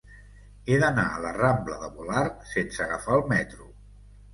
He d'anar a la rambla de Volart sense agafar el metro.